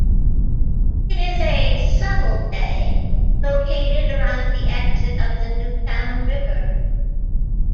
It is a subtle bay located around the exit of the Newtown River.